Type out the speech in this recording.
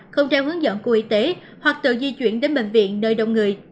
không theo hướng dẫn của y tế hoặc tự di chuyển đến bệnh viện nơi đông người